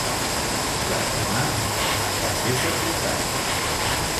L'endemà, va ser sepultat.